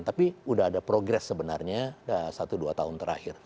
tapi sudah ada progres sebenarnya satu dua tahun terakhir